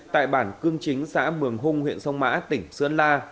tại bản cương chính xã mường hung huyện sông mã tỉnh sơn la